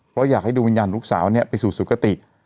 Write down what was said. เพราะอยากให้ดวงวิญญาณลูกสาวไปสู่สุขติ